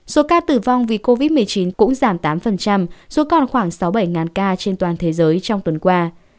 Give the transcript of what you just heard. số ca tử vong vì covid một mươi chín cũng giảm tám dù còn khoảng sáu bảy ngàn ca trên toàn thế giới trong tuần qua